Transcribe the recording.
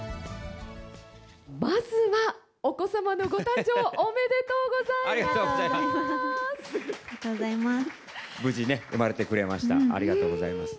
まずはお子様のご誕生、ありがとうございます。